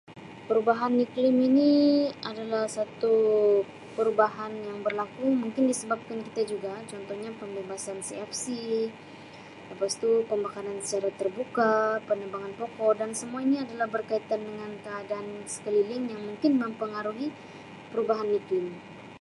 Perubahan iklim ini adalah satu perubahan yang berlaku mungkin disebabkan kita juga. Contohnya pembebasan CFC, lepas tu pembakaran secara terbuka, penebangan pokok dan semuanya adalah berkaitan dengan keadaan sekeliling yang mungkin mempengaruhi perubahan iklim.